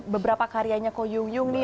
beberapa karyanya ko yung nih